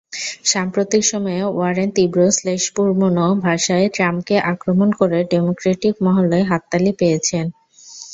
সাম্প্রতিক সময়ে ওয়ারেন তীব্র শ্লেষপূর্ণ ভাষায় ট্রাম্পকে আক্রমণ করে ডেমোক্রেটিক মহলে হাততালি পেয়েছেন।